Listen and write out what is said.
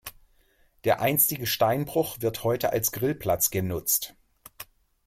Der einstige Steinbruch wird heute als Grillplatz genutzt.